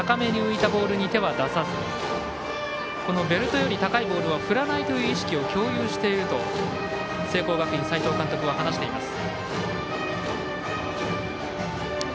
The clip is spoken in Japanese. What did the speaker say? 高めに浮いたボールに手は出さずベルトより高いボールに手を出さないと意識を共有していると聖光学院斎藤監督は話しています。